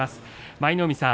舞の海さん